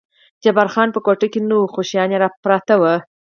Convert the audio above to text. جبار خان په کوټه کې نه و، خو شیان یې پراته و.